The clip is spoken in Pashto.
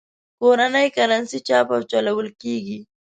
کورنۍ کرنسي چاپ او چلول کېږي.